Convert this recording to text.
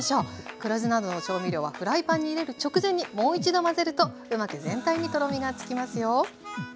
黒酢などの調味料はフライパンに入れる直前にもう一度混ぜるとうまく全体にとろみがつきますよ。